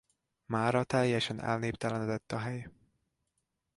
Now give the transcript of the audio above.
Mára teljesen elnéptelenedett a hely.